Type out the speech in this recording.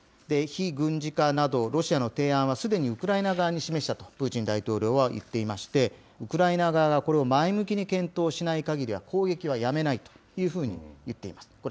非軍事化など、ロシアの提案はすでにウクライナ側に示したとプーチン大統領は言っていまして、ウクライナ側がこれを前向きに検討しないかぎりは、攻撃はやめないというふうに言っています。